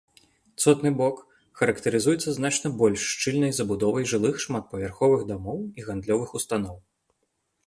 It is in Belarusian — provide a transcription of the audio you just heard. Цотны бок характарызуецца значна больш шчыльнай забудовай жылых шматпавярховых дамоў і гандлёвых устаноў.